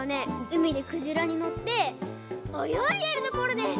うみでくじらにのっておよいでるところです！